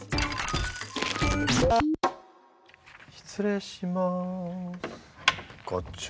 失礼します。